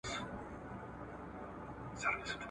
هغه د خلکو د خوشحالۍ لپاره هڅې وکړې.